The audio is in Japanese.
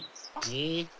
え？